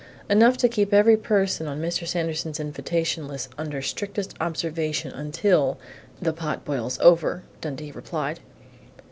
"Enough to keep every person on Mr. Sanderson's invitation list under strictest observation until the pot boils over," Dundee replied.